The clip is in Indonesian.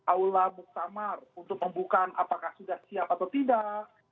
aula muktamar untuk membuka apakah sudah siap atau tidak